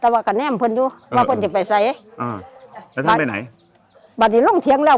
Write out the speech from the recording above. แต่ว่าก็แนมเพื่อนอยู่ว่าเพื่อนจะไปใส่อ่าแล้วท่านไปไหนบัดที่ลงเถียงแล้ว